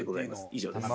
以上です。